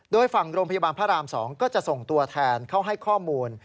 โดยฝั่งโรงพยาบาลพระราม๒ก็จะส่งตัวแทนเข้าให้ข้อมูล